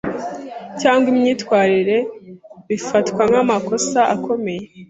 cyangwa imyitwarire bifatwa nk’amakosa akomeye